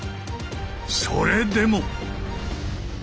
それでも！